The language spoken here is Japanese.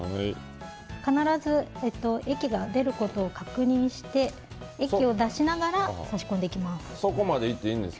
必ず液が出ることを確認して液を出しながら差し込んでいきます。